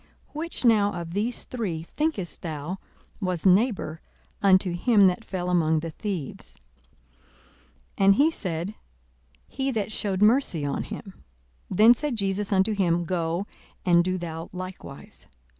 42:010:036 Which now of these three, thinkest thou, was neighbour unto him that fell among the thieves? 42:010:037 And he said, He that shewed mercy on him. Then said Jesus unto him, Go, and do thou likewise.